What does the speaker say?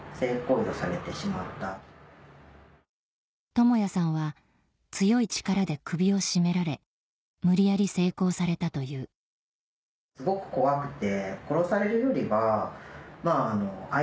智也さんは強い力で首を絞められ無理やり性交されたというすごく怖くて。